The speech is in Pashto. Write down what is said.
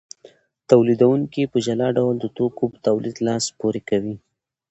تولیدونکي په جلا ډول د توکو په تولید لاس پورې کوي